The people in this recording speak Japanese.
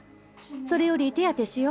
それより手当てしよ。